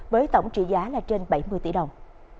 với tổng trị giá là trên bảy mươi tỷ đồng